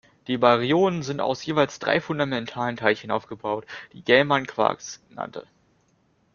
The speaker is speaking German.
Die Baryonen sind aus jeweils drei fundamentalen Teilchen aufgebaut, die Gell-Mann Quarks nannte.